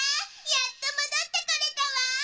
やっともどってこれたわ！